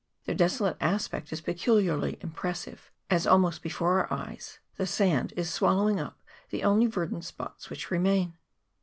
Their desolate aspect is peculiarly impressive, as almost before our eyes the sand is swallowing up the only verdant spots which remain.